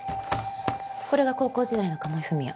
これが高校時代の鴨井文哉。